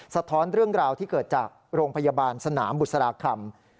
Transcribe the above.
สะท้อนเรื่องราวที่เกิดจากโรงพยาบาลสนามบุษราคำ